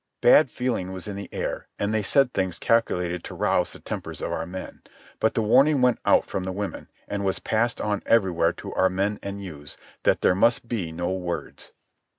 Bad feeling was in the air, and they said things calculated to rouse the tempers of our men. But the warning went out from the women, and was passed on everywhere to our men and youths, that there must be no words.